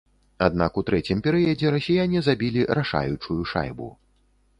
Аднак у трэцім перыядзе расіяне забілі рашаючую шайбу.